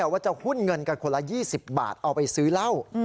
ว่าจะหุ้นเงินกันคนละ๒๐บาทเอาไปซื้อเหล้า